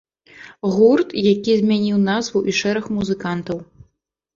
Гурт, які змяніў назву і шэраг музыкантаў.